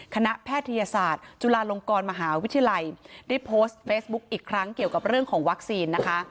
แพทยศาสตร์จุฬาลงกรมหาวิทยาลัยได้โพสต์เฟซบุ๊คอีกครั้งเกี่ยวกับเรื่องของวัคซีนนะคะ